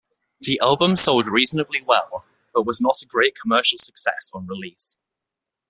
The album sold reasonably well, but was not a great commercial success on release.